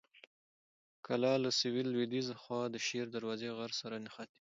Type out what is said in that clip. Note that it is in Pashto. کلا له سویل لویديځې خوا د شیر دروازې غر سره نښتې.